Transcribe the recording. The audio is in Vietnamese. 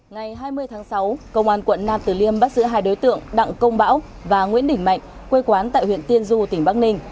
ngày hai mươi tháng sáu công an quận năm từ liêm bắt giữ hai đối tượng đặng công bảo và nguyễn đỉnh mạnh quê quán tại huyện tiên du tỉnh bắc ninh